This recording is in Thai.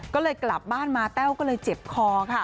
ก็เลยกลับบ้านมาแต้วก็เลยเจ็บคอค่ะ